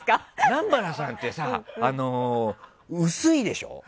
南原さんってさ、薄いでしょ。